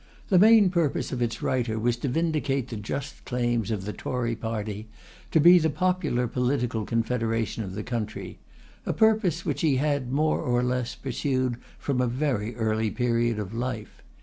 The main purpose of its writer was to vindicate the just claims of the Tory party to be the popular political confederation of the country; a purpose which he had, more or less, pursued from a very early period of life.